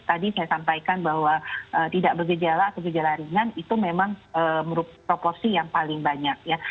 tadi saya sampaikan bahwa tidak bergejala atau gejala ringan itu memang merupakan proporsi yang paling banyak ya